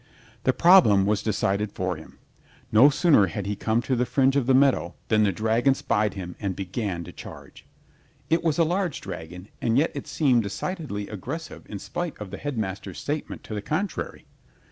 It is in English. The problem was decided for him. No sooner had he come to the fringe of the meadow than the dragon spied him and began to charge. It was a large dragon and yet it seemed decidedly aggressive in spite of the Headmaster's statement to the contrary.